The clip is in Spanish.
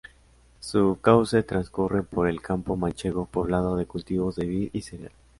Su cauce transcurre por el campo manchego, poblado de cultivos de vid y cereal.